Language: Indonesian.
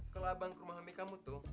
ke labang ke rumah kami kamu tuh